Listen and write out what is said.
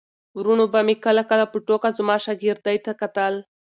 وروڼو به مې کله کله په ټوکه زما شاګردۍ ته کتل.